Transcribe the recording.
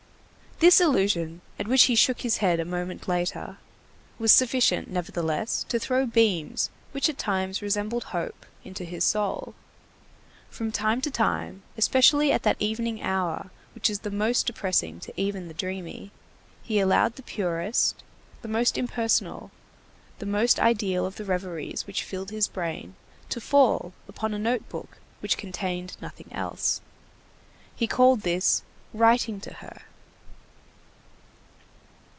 This illusion, at which he shook his head a moment later, was sufficient, nevertheless, to throw beams, which at times resembled hope, into his soul. From time to time, especially at that evening hour which is the most depressing to even the dreamy, he allowed the purest, the most impersonal, the most ideal of the reveries which filled his brain, to fall upon a notebook which contained nothing else. He called this "writing to her."